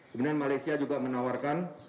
kemudian malaysia juga menawarkan